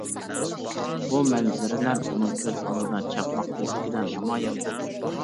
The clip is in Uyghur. بۇ مەنزىرىلەر ئۇنىڭ كۆز ئالدىدا چاقماق تېزلىكىدە نامايان بولدى.